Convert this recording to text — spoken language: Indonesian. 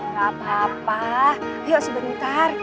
gapapa yuk sebentar